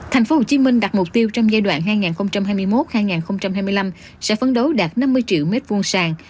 thành phố hồ chí minh đặt mục tiêu trong giai đoạn hai nghìn hai mươi một hai nghìn hai mươi năm sẽ phấn đấu đạt năm mươi triệu m hai sàn